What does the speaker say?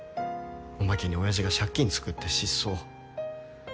おまけに親父が借金つくって失踪。